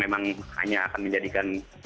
memang hanya akan menjadikan